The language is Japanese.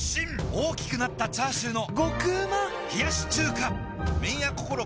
大きくなったチャーシューの麺屋こころ